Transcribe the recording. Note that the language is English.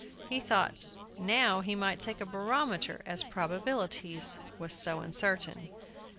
He thought now he might take a barometer, as "Probabilities" was so uncertain.